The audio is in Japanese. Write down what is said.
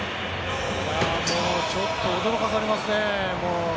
もうちょっと驚かされますね。